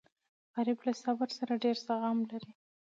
غریب له صبره هم ډېر زغم لري